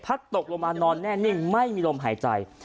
ตกลงมานอนแน่นิ่งไม่มีลมหายใจ